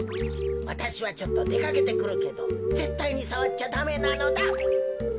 わたしはちょっとでかけてくるけどぜったいにさわっちゃダメなのだ。